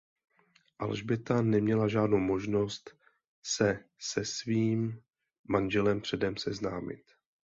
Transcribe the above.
Alžběta neměla žádnou možnost se se svým manželem předem seznámit.